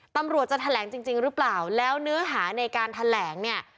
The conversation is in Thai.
ตำรวจจะแถลงจริงหรือเปล่าแล้วเนื้อหาในการแถลงเนี่ย